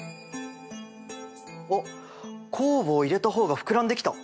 おっ酵母を入れた方が膨らんできた！